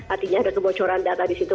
artinya ada kebocoran data di situ